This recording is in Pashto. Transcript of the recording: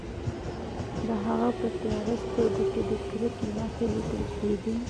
د هغه په تیاره سترګو کې د کرکې نښې لیدل کیدې